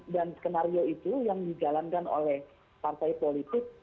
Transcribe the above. dan skenario itu yang dijalankan oleh partai politik